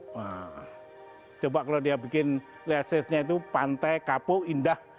nah coba kalau dia bikin list listnya itu pantai kapu indah